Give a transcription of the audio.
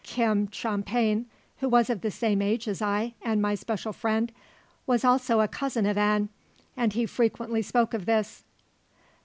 Kim Champan, who was of the same age as I, and my special friend, was also a cousin of An, and he frequently spoke of this.